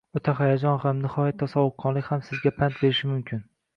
O‘ta hayajon ham, nihoyatda sovuqqonlik ham sizga pand berishi mumkin.